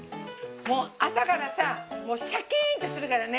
もう朝からさシャキーンってするからね